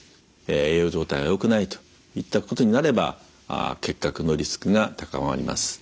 栄養状態がよくないといったことになれば結核のリスクが高まります。